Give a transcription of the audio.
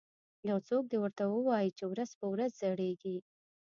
یو څوک دې ورته ووایي چې ورځ په ورځ زړیږي